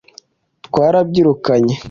twarabyirukanye